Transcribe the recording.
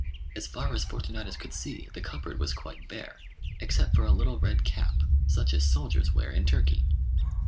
As far as Fortunatus could see, the cupboard was quite bare, except for a little red cap, such as soldiers wear in Turkey.